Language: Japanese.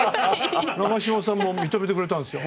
長嶋さんも認めてくれたんですよ。